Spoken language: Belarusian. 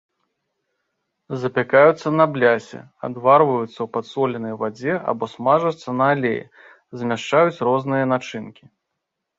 Запякаюцца на блясе, адварваюцца ў падсоленай вадзе або смажацца на алеі, змяшчаюць розныя начынкі.